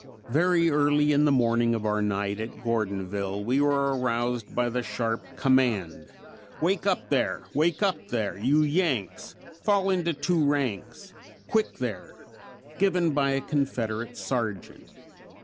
Very early in the morning of our night at Gordonville we were aroused by the sharp command, "Wake up there, wake up there, you Yanks. Fall into two ranks. Quick there," given by a Confederate sergeant.